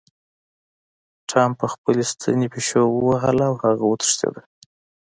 ټام په خپلې ستنې پیشو ووهله او هغه وتښتیده.